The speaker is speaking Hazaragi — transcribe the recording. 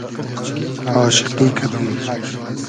آشیقی کئدوم